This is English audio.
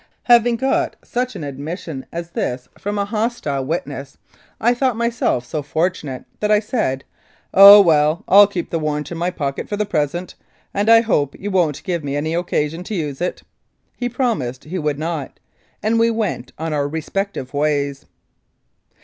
Having got such an admission as this from a hostile 16; Mounted Police Life in Canada witness, I thought myself so fortunate that I said, " Oh ! well, I'll keep the warrant in my pocket for the present, and I hope you won't give me any occasion to use it." He promised he would not, and we went our respective ways.